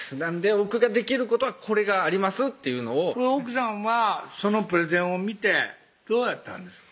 僕ができる事はこれがありますっていうのを奥さんはそのプレゼンを見てどうやったんですか？